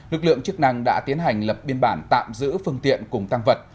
lực lượng chức năng đã tiến hành lập biên bản tạm giữ phương tiện cùng tăng vật